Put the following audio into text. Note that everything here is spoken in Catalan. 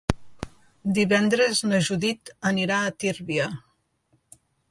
Divendres na Judit anirà a Tírvia.